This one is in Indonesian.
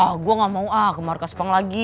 ah gua gamau ah ke markas pang lagi